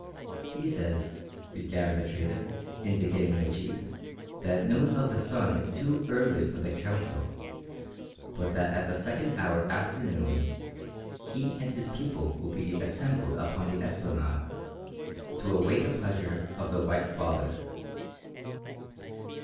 "He says," began the trader, indicating the chief, "that noon of the sun is too early for the council, but that at the second hour after noon, he and his people will be assembled upon the esplanade, to await the pleasure of the White Father."